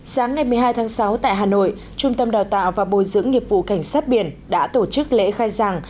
sáng ngày một mươi hai tháng sáu tại hà nội trung tâm đào tạo và bồi dưỡng nghiệp vụ cảnh sát biển đã tổ chức lễ khai giảng